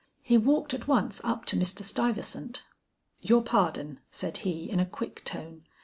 He walked at once up to Mr. Stuyvesant. "Your pardon," said he, in a quick tone.